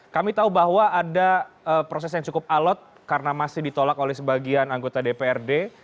kami tahu bahwa ada proses yang cukup alot karena masih ditolak oleh sebagian anggota dprd